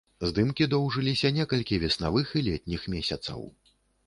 Здымкі доўжыліся некалькі веснавых і летніх месяцаў.